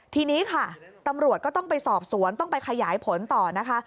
ทีนี้ค่ะตำรวจก็ต้องไปสอบสวนต้องไปขยายผลต่อนะคะ